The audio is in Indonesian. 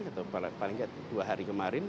atau paling tidak dua hari kemarin